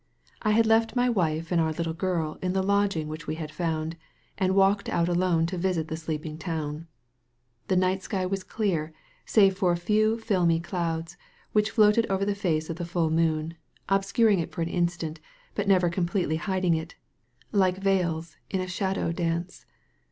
I had left my wife and our little girl in the lodging which we had found, and walked out alone to visit the sleeping town. The night sky was dear, save for a few filmy douds, which floated over the face of the full moon, obscuring it for an instant, but never completely hiding it — ^like veils in a shadow dance.